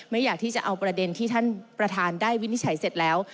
อยากที่จะเอาประเด็นที่ท่านประธานได้วินิจฉัยเสร็จแล้ว